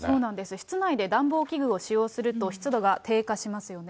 室内で暖房器具を使用すると、湿度が低下しますよね。